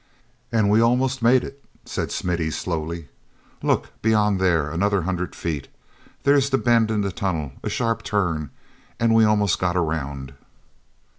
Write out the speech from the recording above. "And we almost made it," said Smithy slowly. "Look, beyond there—another hundred feet. There's the bend in the tunnel, a sharp turn—and we almost got around!"